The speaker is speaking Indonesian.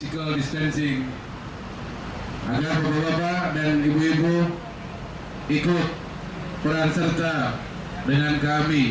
dispensing agar bawa bawa dan ibu ibu ikut peran serta dengan kami